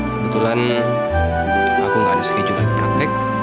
kebetulan aku gak ada sekejuan lagi praktek